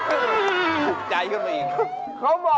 เขาอ้องครูได้สินะครับ